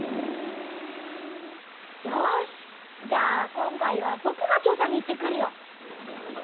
よしじゃあ今回はぼくが調さに行ってくるよ！